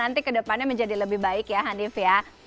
nanti ke depannya menjadi lebih baik ya hanif ya